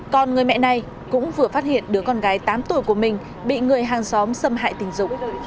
còn người mẹ này cũng vừa phát hiện đứa con gái tám tuổi của mình bị người hàng xóm xâm hại tình dục